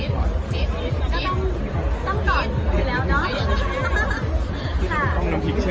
ไข่พีางานนั้นชื่อใจ